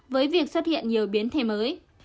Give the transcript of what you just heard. với việc xuất hiện nhiều biến thể mới